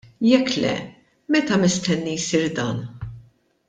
Jekk le, meta mistenni jsir dan?